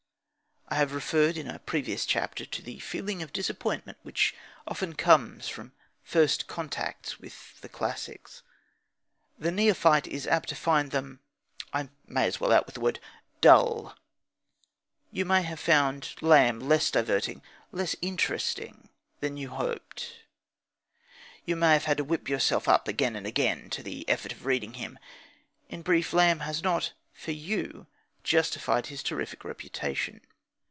I have referred in a previous chapter to the feeling of disappointment which often comes from first contacts with the classics. The neophyte is apt to find them I may as well out with the word dull. You may have found Lamb less diverting, less interesting, than you hoped. You may have had to whip yourself up again and again to the effort of reading him. In brief, Lamb has not, for you, justified his terrific reputation.